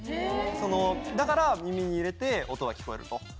だから耳に入れて音が聞こえる。